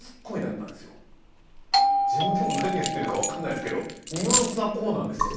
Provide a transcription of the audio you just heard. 自分でも何言ってるか分かんないですけどニュアンスはこうなんですよ。